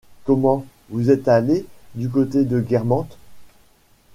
comment, vous êtes allés du côté de Guermantes !